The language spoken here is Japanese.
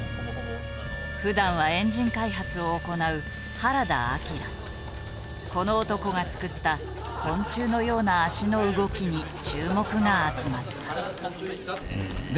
ふだんはエンジン開発を行うこの男が作った昆虫のような足の動きに注目が集まった。